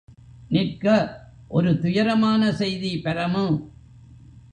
நிற்க, ஒரு துயரமான செய்தி பரமு!